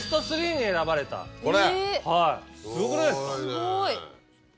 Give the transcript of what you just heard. すごいね。